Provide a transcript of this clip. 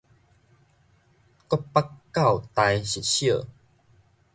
國北教大實小